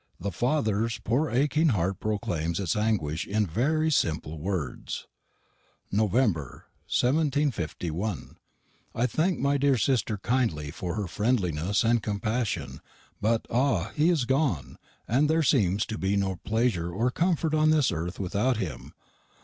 The father's poor aching heart proclaims its anguish in very simple words: "Nov. 1751. I thank my dear sister kindly for her friendlinesse and compashin; butt, ah, he is gone, and their semes to be no plesure or comforte on this erth without him!